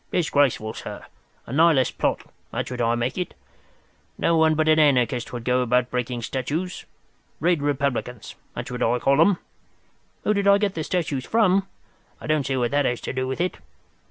Disgraceful, sir! A Nihilist plot—that's what I make it. No one but an anarchist would go about breaking statues. Red republicans—that's what I call 'em. Who did I get the statues from? I don't see what that has to do with it.